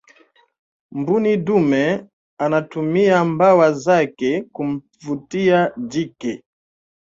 mbuni dume anatumia mbawa zake kumvutia jike